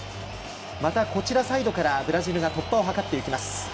またこちらサイドからブラジルが突破を図っていきます。